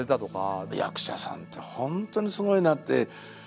役者さんって本当にすごいなって。